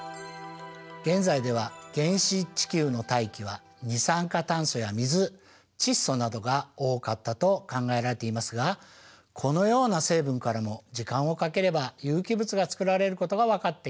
現在では原始地球の大気は二酸化炭素や水窒素などが多かったと考えられていますがこのような成分からも時間をかければ有機物がつくられることが分かっています。